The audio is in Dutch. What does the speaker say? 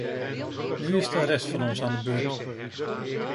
Nu is de rest van ons aan de beurt.